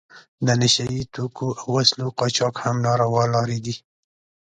د نشه یي توکو او وسلو قاچاق هم ناروا لارې دي.